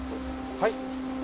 はい？